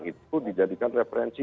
itu dijadikan referensi